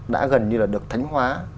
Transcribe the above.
đã gần như là được thánh hóa